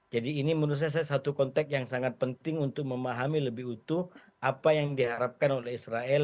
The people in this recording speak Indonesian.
jadi ini menurut saya satu konteks yang sangat penting untuk memahami lebih utuh apa yang diharapkan oleh israel